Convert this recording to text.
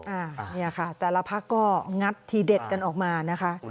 อันนี้ค่ะแต่ละพักก็งัดทีเด็ดกันออกมานะคะ